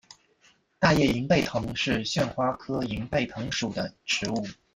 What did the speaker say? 大叶银背藤是旋花科银背藤属的植物。